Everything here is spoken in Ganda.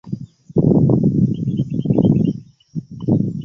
Ani akukusa abaana?